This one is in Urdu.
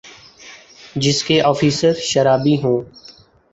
جس کے آفیسر شرابی ہوں